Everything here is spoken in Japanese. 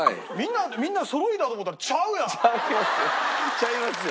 ちゃいますよ。